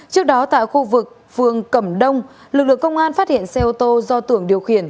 trước đó tại khu vực phường cẩm đông lực lượng công an phát hiện xe ô tô do tưởng điều khiển